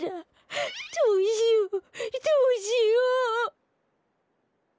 どうしようどうしよう。